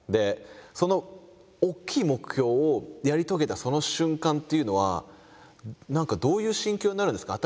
その大きい目標をやり遂げたその瞬間っていうのは何かどういう心境になるんですか？